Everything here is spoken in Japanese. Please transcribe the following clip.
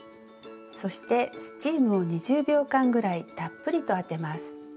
そしてスチームを２０秒間ぐらいたっぷりとあてます。